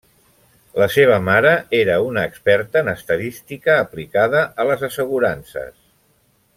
La seva mare era una experta en estadística aplicada a les assegurances.